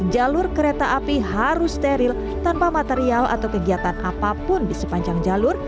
jalur kereta api harus steril tanpa material atau kegiatan apapun di sepanjang jalur